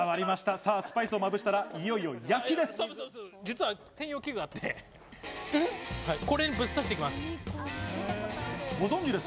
さぁスパイスをまぶしたら、いよいよ焼きます。